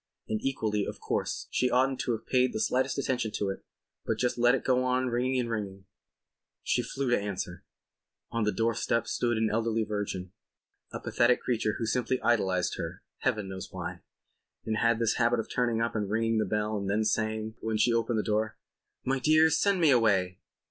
And equally, of course, she oughtn't to have paid the slightest attention to it but just let it go on ringing and ringing. She flew to answer. On the doorstep there stood an elderly virgin, a pathetic creature who simply idolized her (heaven knows why) and had this habit of turning up and ringing the bell and then saying, when she opened the door: "My dear, send me away!"